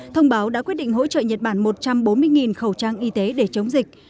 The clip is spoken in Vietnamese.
thông báo đã quyết định hỗ trợ nhật bản một trăm bốn mươi khẩu trang y tế để chống dịch